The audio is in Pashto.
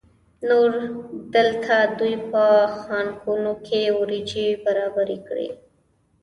نور دلته دوی په خانکونو کې وریجې برابرې کړې.